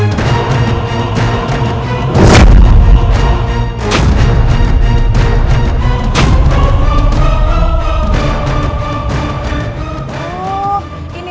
aku sudah berhenti